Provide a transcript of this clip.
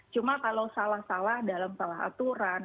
cuma kalau salah salah dalam salah aturan